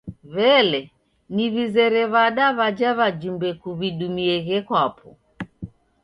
W'elee, niw'izere w'ada w'aja w'ajumbe kuw'idumieghe kwapo?